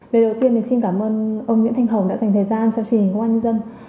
về đầu tiên thì xin cảm ơn ông nguyễn thanh hồng đã dành thời gian cho truyền hình công an nhân dân